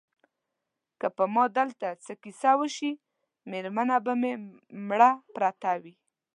که په ما دلته څه کیسه وشي مېرمنه به مې مړه پرته وي.